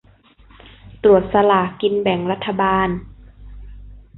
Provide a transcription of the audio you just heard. ตรวจสลากกินแบ่งรัฐบาล